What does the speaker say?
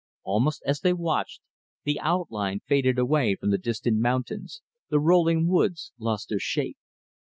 Almost as they watched, the outline faded away from the distant mountains, the rolling woods lost their shape.